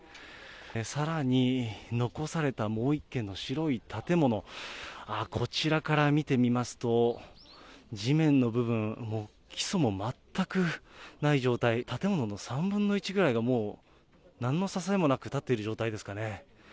さらに、残されたもう１軒の白い建物、こちらから見てみますと、地面の部分、基礎も全くない状態、建物の３分の１ぐらいがもう、なんの支えもなく立っている状態ですかね。